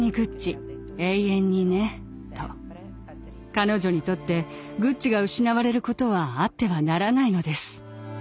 彼女にとってグッチが失われることはあってはならないのです。